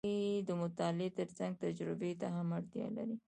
هغوی د مطالعې ترڅنګ تجربې ته هم اړتیا لري.